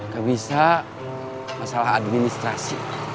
gak bisa masalah administrasi